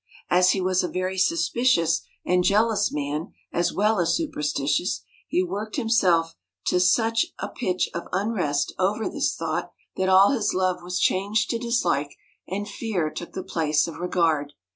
As he was a very suspicious and jealous man as well as superstitious, he worked himself to such a 150 pitch of unrest over this thought, that all his love MIRANDA was changed to dislike, and fear took the place of regard.